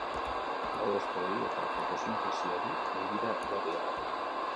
Gaur, hostoei eta fotosintesiari begira jarri gara.